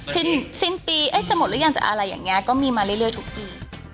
สิ้นปีจะหมดหรือยังจะอะไรอย่างนี้ก็มีมาเรื่อยทุกปี